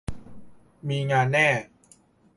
มีงานแน่